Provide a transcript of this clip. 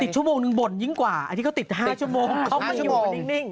ติดชั่วโมงหนึ่งบ่นยิ่งกว่าอันนี้เค้าติด๕ชั่วโมงเข้ามาอยู่นิ่ง